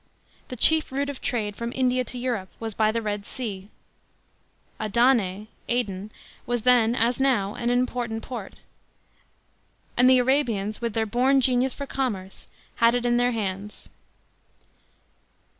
The chief route of trade from India to Europe was by the Red Sea — Adane (Aden) was then, as now, an important port — and the Arabians, with their born genius for commerce, had it in their hands.